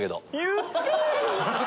言ってよ。